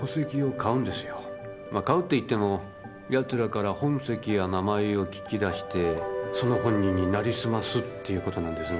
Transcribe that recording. まあ買うって言ってもヤツらから本籍や名前を聞き出してその本人になりすますっていうことなんですが。